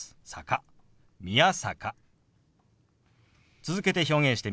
続けて表現してみます。